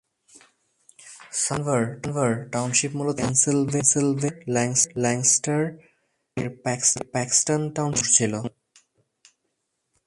South Hanover Township মূলত পেন্সিলভেনিয়ার Lancaster কাউন্টির প্যাক্সটাং টাউনশিপের একটি অংশ ছিল।